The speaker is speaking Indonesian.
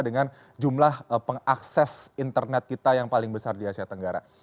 dengan jumlah pengakses internet kita yang paling besar di asia tenggara